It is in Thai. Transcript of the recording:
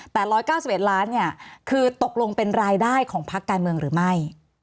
แต่๑๙๑ล้านเนี่ยคือตกลงเป็นรายได้ของพักการเมืองหรือไม่